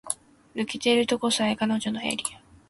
抜けてるとこさえ彼女のエリア